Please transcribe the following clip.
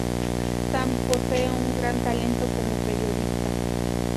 Sam posee un gran talento como periodista.